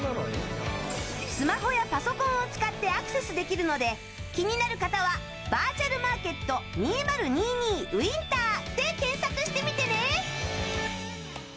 スマホやパソコンを使ってアクセスできるので気になる方は「バーチャルマーケット２０２２ｗｉｎｔｅｒ」で検索してみてね。